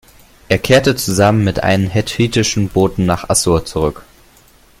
Er kehrte zusammen mit einem hethitischen Boten nach Aššur zurück.